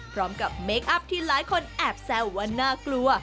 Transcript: พร้อมกับเมคอัพที่หลายคนแอบแซวว่าน่ากลัว